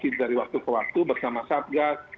covid sembilan belas dari waktu ke waktu bersama sabka